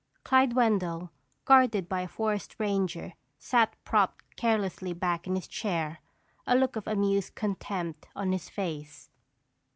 Clyde Wendell, guarded by a forest ranger, sat propped carelessly back in his chair, a look of amused contempt on his face.